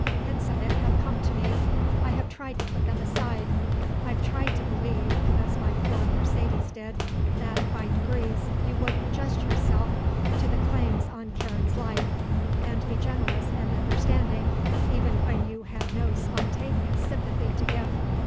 Hints of it have come to me; I've tried to put them aside; I've tried to believe, as my poor Mercedes did, that, by degrees, you would adjust yourself to the claims on Karen's life, and be generous and understanding, even when you had no spontaneous sympathy to give.